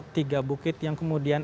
tiga bukit yang kemudian